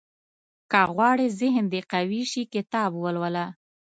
• که غواړې ذهن دې قوي شي، کتاب ولوله.